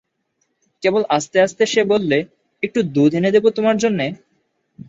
কেবল আস্তে আস্তে সে বললে, একটু দুধ এনে দেব তোমার জন্যে?